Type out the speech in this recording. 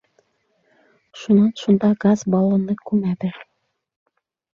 Шунан шунда газ баллоны күмәбеҙ.